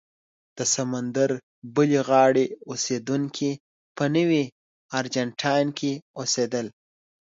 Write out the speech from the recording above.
د سمندر بلې غاړې اوسېدونکي په نوي ارجنټاین کې اوسېدل.